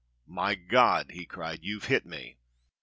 " My God !" he cried. " You've hit me."